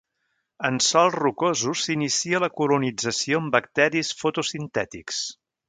En sòls rocosos s'inicia la colonització amb bacteris fotosintètics.